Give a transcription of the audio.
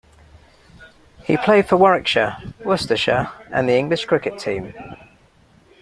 He played for Warwickshire, Worcestershire, and the English cricket team.